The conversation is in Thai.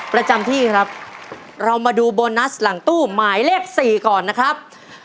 ประจำที่ครับเรามาดูโบนัสหลังตู้หมายเลขสี่ก่อนนะครับ